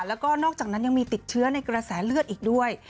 แล้วก็นอกจากนั้นยังมีติดเชื้อในกระแสเลือดอีกด้วย